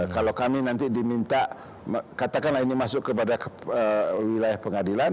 kalau kami nanti diminta katakanlah ini masuk kepada wilayah pengadilan